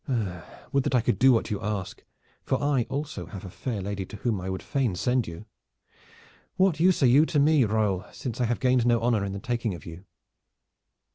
Would that I could do what you ask, for I also have a fair lady to whom I would fain send you. What use are you to me, Raoul, since I have gained no honor in the taking of you?